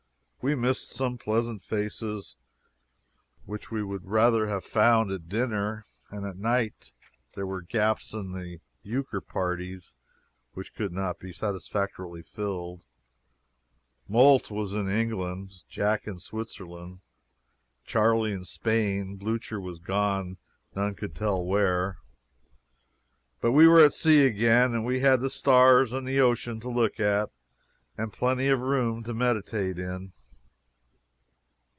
We missed some pleasant faces which we would rather have found at dinner, and at night there were gaps in the euchre parties which could not be satisfactorily filled. "Moult" was in England, Jack in Switzerland, Charley in Spain. Blucher was gone, none could tell where. But we were at sea again, and we had the stars and the ocean to look at, and plenty of room to meditate in.